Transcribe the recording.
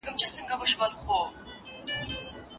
پورته والوتل پوځونه د مرغانو